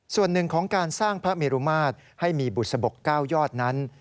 ส่วนหนึ่งของการสร้างพระเมรุมาตรให้มีบุษบก๙ยอดนั้น